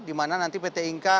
dimana nanti pt inka